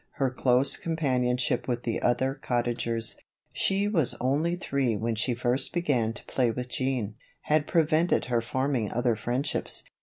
Her close companionship with the other Cottagers she was only three when she first began to play with Jean had prevented her forming other friendships.